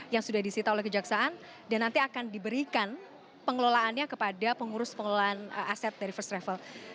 yang sudah disita oleh kejaksaan dan nanti akan diberikan pengelolaannya kepada pengurus pengelolaan aset dari first travel